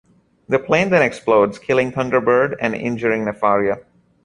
The plane then explodes, killing Thunderbird and injuring Nefaria.